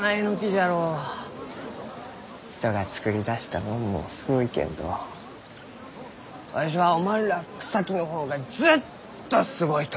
人がつくり出したもんもすごいけんどわしはおまんらあ草木の方がずっとすごいと思う！